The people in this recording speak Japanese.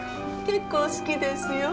結構好きですよ。